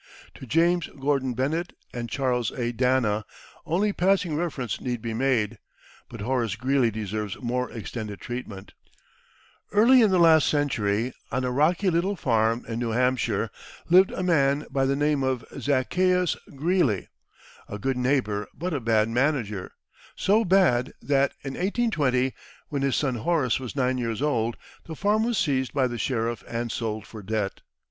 To James Gordon Bennett and Charles A. Dana only passing reference need be made; but Horace Greeley deserves more extended treatment. [Illustration: GREELEY] Early in the last century, on a rocky little farm in New Hampshire, lived a man by the name of Zaccheus Greeley, a good neighbor, but a bad manager so bad that, in 1820, when his son Horace was nine years old, the farm was seized by the sheriff and sold for debt.